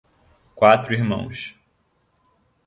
Quatro Irmãos